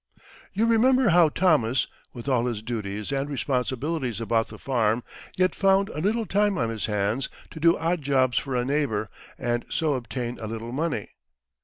You remember how Thomas, with all his duties and responsibilities about the farm, yet found a little time on his hands to do odd jobs for a neighbour, and so obtain a little money.